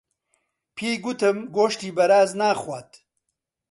پێی گوتم گۆشتی بەراز ناخوات.